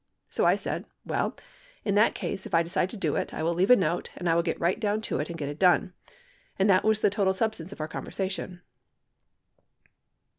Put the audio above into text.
So I said, well, in that case if I decide to do it I will leave a note and I will get right down to it and get it done. And that was the total substance of our conversation.